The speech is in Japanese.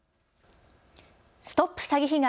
ＳＴＯＰ詐欺被害！